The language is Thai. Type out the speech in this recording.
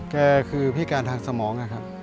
แกคือพิการทางสมองนะครับ